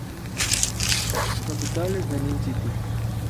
Su capital es Benin City.